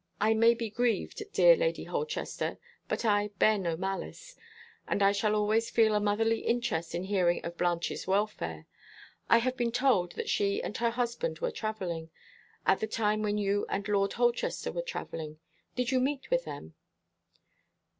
I may be grieved, dear Lady Holchester; but I bear no malice. And I shall always feel a motherly interest in hearing of Blanche's welfare. I have been told that she and her husband were traveling, at the time when you and Lord Holchester were traveling. Did you meet with them?"